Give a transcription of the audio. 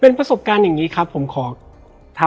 และวันนี้แขกรับเชิญที่จะมาเชิญที่เรา